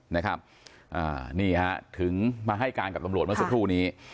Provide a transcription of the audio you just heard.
นะครับอ่านี่ฮะถึงมาให้การกับตำรวจเมื่อสักครู่นี้